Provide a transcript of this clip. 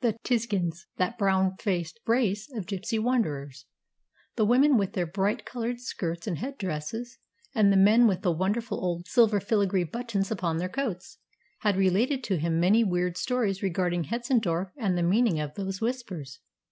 The Tziganes that brown faced race of gipsy wanderers, the women with their bright coloured skirts and head dresses, and the men with the wonderful old silver filigree buttons upon their coats had related to him many weird stories regarding Hetzendorf and the meaning of those whispers.